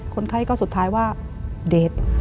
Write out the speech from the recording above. คนไข้ก็สุดท้ายว่าเดท